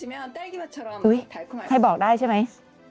อุ๊ยถ้าบอกได้ใช่ไหม